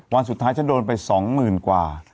วันสุดท้ายฉันโดนไป๒๐๐๐กว่า